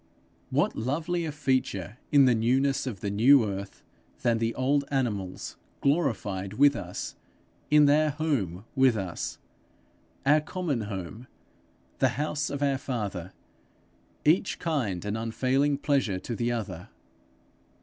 What lovelier feature in the newness of the new earth, than the old animals glorified with us, in their home with us our common home, the house of our father each kind an unfailing pleasure to the other!